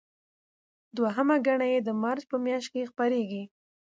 دویمه ګڼه یې د مارچ په میاشت کې خپریږي.